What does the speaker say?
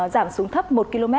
giảm xuống thấp một km